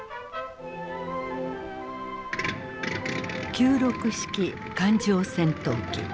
九六式艦上戦闘機。